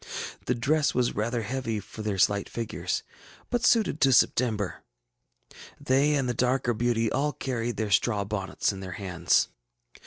The dress was rather heavy for their slight figures, but suited to September. They and the darker beauty all carried their straw bonnets in their hands.